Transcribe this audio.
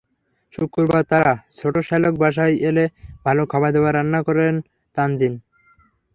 শুক্রবার তাঁর ছোট শ্যালক বাসায় এলে ভালো খাবারদাবার রান্না করেন তানজিন।